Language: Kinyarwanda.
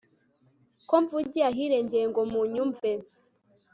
ko mvugiye ahirengeye ngo munyumve